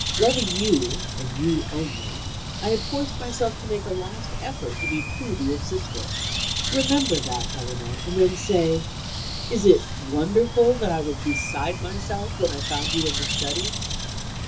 Loving you, and you only, I had forced myself to make a last effort to be true to your sister. Remember that, Helena, and then say is it wonderful if I was beside myself, when I found You in the study?"